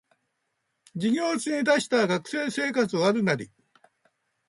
授業中に出したら学生生活終わるナリ